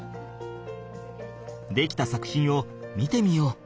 出来た作品を見てみよう！